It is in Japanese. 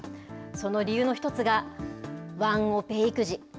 その理由の一つが、ワンオペ育児。